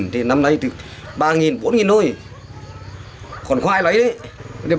thì năm nay từ ba bốn thôi còn khoai lấy đấy